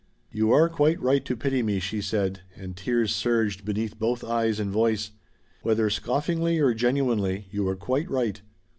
"You are quite right to pity me," she said, and tears surged beneath both eyes and voice. "Whether scoffingly or genuinely you were quite right.